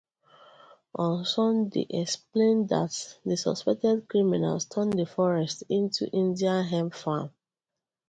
on Sunday explained that the suspected criminals turned the forest into Indian hemp farm.